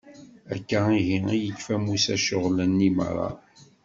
Akka ihi i yekfa Musa ccɣel-nni meṛṛa.